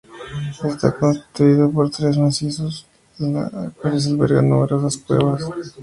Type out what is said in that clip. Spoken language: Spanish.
Está constituido por tres macizos, los cuales albergan numerosas cuevas surcadas por torrentes fluviales.